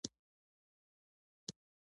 ستاسو پر کلي ګرد سره بمبارد لا نه دى سوى.